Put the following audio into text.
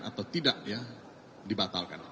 atau tidak ya dibatalkan